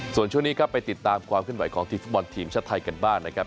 ส่วนช่วงนี้ครับไปติดตามความขึ้นไหวของทีมฟุตบอลทีมชาติไทยกันบ้างนะครับ